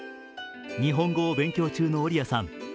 日本語を勉強中のオリアさん。